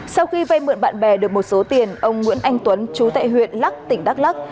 sau khi vay mượn bạn bè được một số tiền ông nguyễn anh tuấn chú tại huyện lắc tỉnh đắk lắc